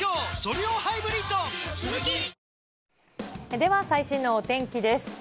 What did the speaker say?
では、最新のお天気です。